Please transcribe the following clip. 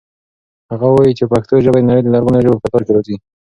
هغه وایي چې پښتو ژبه د نړۍ د لرغونو ژبو په کتار کې راځي.